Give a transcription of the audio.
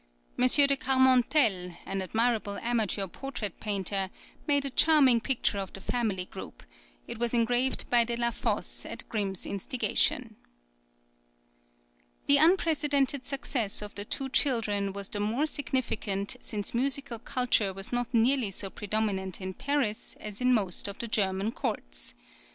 de Carmontelle, an admirable amateur portrait painter, made a charming picture of the family group;[20025] it was engraved by Delafosse at Grimm's instigation. The unprecedented success of the two children was the more significant since musical culture was not nearly so predominant in Paris as in most of the German courts.